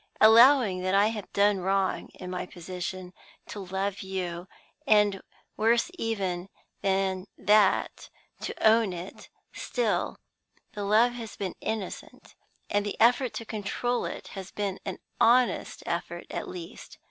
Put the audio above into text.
Allowing that I have done wrong (in my position) to love you, and, worse even than that, to own it, still the love has been innocent, and the effort to control it has been an honest effort at least.